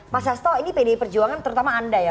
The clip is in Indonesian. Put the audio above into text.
mas hasto ini pdi perjuangan terutama anda ya